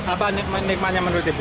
apa nikmatnya menurut ibu